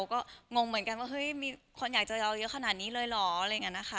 ก็งงเหมือนกันว่าเฮ้ยมีคนอยากจะเอาเยอะขนาดนี้เลยเหรออะไรอย่างนี้นะคะ